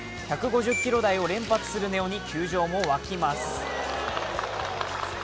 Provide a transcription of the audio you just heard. １５０キロ台を連発する根尾に球場も沸きます。